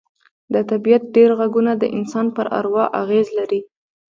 د طبیعت ډېر غږونه د انسان پر اروا اغېز لري